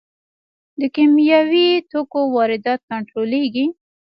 د کیمیاوي توکو واردات کنټرولیږي؟